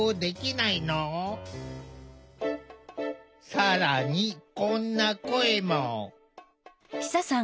更にこんな声も。